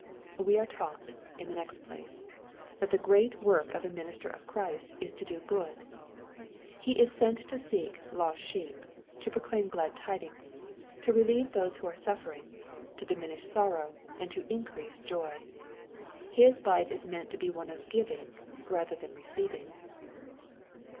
We are taught, in the next place, that the great work of a minister of Christ is to do good. He is sent to seek "loot sheep," — ^to proclaim glad tidings, — to relieve those 96 EXFOSITOBT THOUGHTS. who are suffering, — ^io diminish sorrow, — and to increase joy. His life is meant to be one of " giving/' rather than receiving.